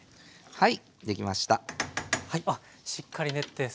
はい。